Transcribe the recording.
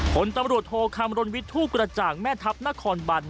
ผลตำรวจโทคำรณวิทย์ทูปกระจ่างแม่ทัพนครบัน